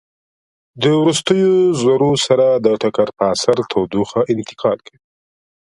د وروستیو ذرو سره د ټکر په اثر تودوخه انتقال کوي.